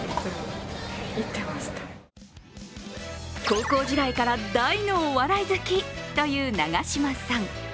高校時代から大のお笑い好きという長島さん。